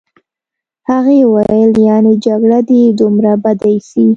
هغې وویل: یعني جګړه دي دومره بده ایسي.